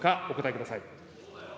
お答えください。